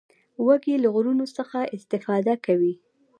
وزې له غرونو ښه استفاده کوي